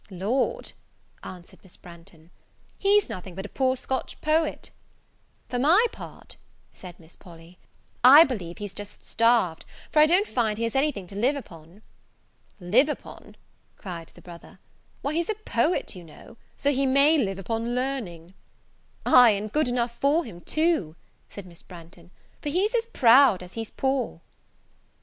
"Lord!" answered Miss Branghton, "he's nothing but a poor Scotch poet." "For my part," said Miss Polly, "I believe he's just starved, for I don't find he has anything to live upon." "Live upon!" cried the brother; "why, he's a poet, you know, so he may live upon learning." "Aye, and good enough for him, too," said Miss Branghton; "for he's as proud as he's poor."